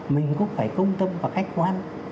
mình cũng phải công tâm và khách quan